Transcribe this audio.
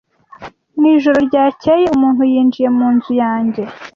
Mu ijoro ryakeye, umuntu yinjiye mu nzu yanjye.